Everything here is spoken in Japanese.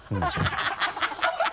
ハハハ